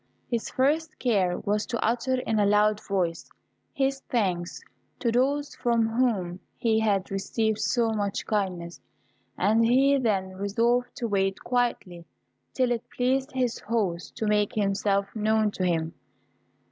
His first care was to utter in a loud voice his thanks to those from whom he had received so much kindness, and he then resolved to wait quietly till it pleased his host to make himself known to him.